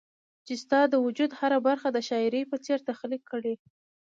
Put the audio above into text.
چي ستا د وجود هره برخه د شاعري په څير تخليق کړي